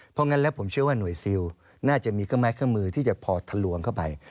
เพราะงั้นแล้วผมเชื่อว่าหน่วยซิลน่าจะมีข้อมูลที่จะพอทะลวงเข้าไป